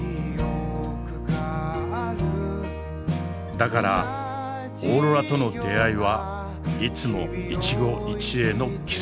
だからオーロラとの出逢いはいつも一期一会の奇跡。